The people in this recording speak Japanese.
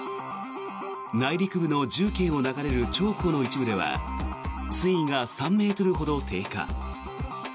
内陸部の重慶を流れる長江の一部では水位が３ｍほど低下。